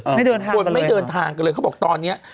คนไม่เดินทางกันเลยเขาบอกตอนนี้